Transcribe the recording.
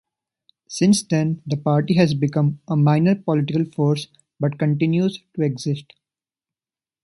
Since then the party has become a minor political force but continues to exist.